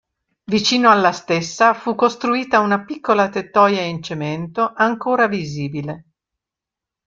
Vicino alla stessa, fu costruita una piccola tettoia in cemento, ancora visibile.